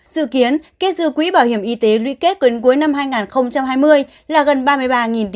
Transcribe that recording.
dự kiến kết dư quỹ bảo hiểm y tế luy kết cuối năm hai nghìn hai mươi là gần ba mươi ba